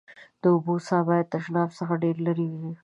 د اوبو څاه باید تشناب څخه ډېر لېري وي.